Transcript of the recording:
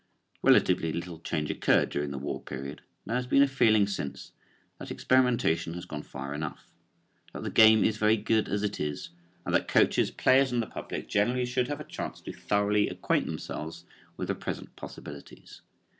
Relatively little change occurred during the war period and there has been a feeling since that experimentation has gone far enough; that the game is very good as it is, and that coaches, players and the public generally should have a chance to thoroughly acquaint themselves with the present possibilities.